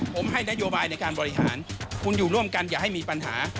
ผมให้นโยบายในการบริหารคุณอยู่ร่วมกันอย่าให้มีปัญหา